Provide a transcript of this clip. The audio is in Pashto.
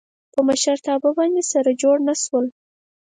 په مشرتابه باندې سره جوړ نه شول.